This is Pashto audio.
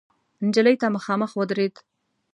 نجلۍ ته مخامخ ودرېد.